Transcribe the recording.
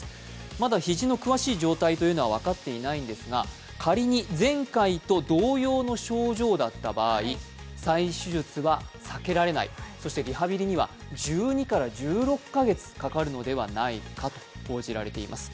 まだ肘の詳しい状態というのは分かっていないんですが、仮に前回と同様の症状だった場合、再手術は避けられない、そしてリハビリには１２１６か月かかるのではないかと報じられています。